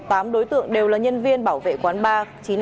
tám đối tượng đều là nhân viên bảo vệ quán ba